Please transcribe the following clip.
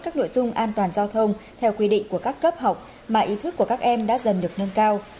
các nội dung an toàn giao thông theo quy định của các cấp học mà ý thức của các em đã dần được nâng cao